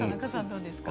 どうですか？